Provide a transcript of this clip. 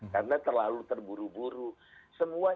karena terlalu terburu buru semua